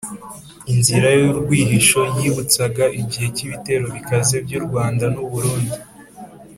inzira y’urwihisho: yibutsaga igihe k’ibitero bikaze by’u rwanda n’u burundi